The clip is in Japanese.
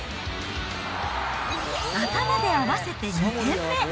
頭で合わせて２点目。